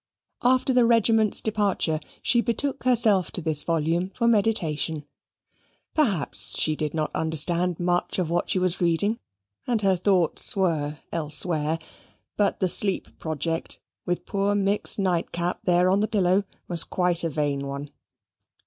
After the regiment's departure she betook herself to this volume for meditation; perhaps she did not understand much of what she was reading, and her thoughts were elsewhere: but the sleep project, with poor Mick's nightcap there on the pillow, was quite a vain one.